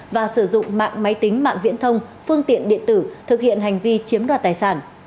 và sử dụng mạng máy tính mạng viễn thông phương tiện điện tử thực hiện hành vi chiếm đoạt tài sản